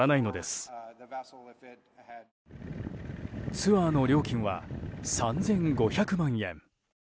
ツアーの料金は３５００万円。